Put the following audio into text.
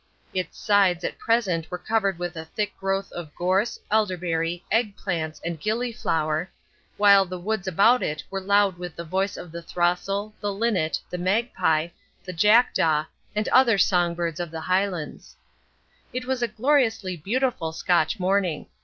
Its sides at present were covered with a thick growth of gorse, elderberry, egg plants, and ghillie flower, while the woods about it were loud with the voice of the throstle, the linnet, the magpie, the jackdaw, and other song birds of the Highlands. It was a gloriously beautiful Scotch morning.